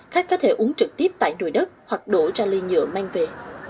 khách có thể uống trực tiếp tại nồi đất hoặc đổ ra ly nhựa mang về